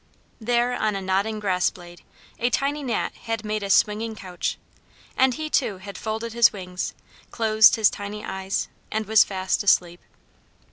There on a nodding grass blade, a tiny Gnat had made a swinging couch, and he too had folded his wings, closed his tiny eyes, and was fast asleep.